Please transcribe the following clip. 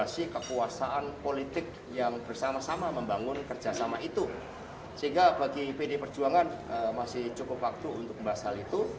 sehingga bagi pd perjuangan masih cukup waktu untuk membahas hal itu